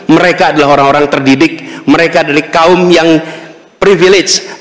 mereka adalah orang orang terdidik mereka dari kaum yang privilege